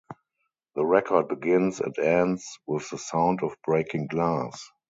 The record begins and ends with the sound of breaking glass.